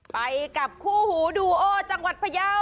ไปกับคู่หูดูโอจังหวัดพยาว